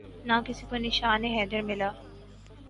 نہ کسی کو نشان حیدر ملا